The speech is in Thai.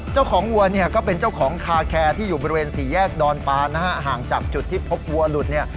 วัวเนี่ยก็เป็นเจ้าของคาแคร์ที่อยู่บริเวณสี่แยกดอนปานนะฮะห่างจากจุดที่พบวัวหลุดเนี่ย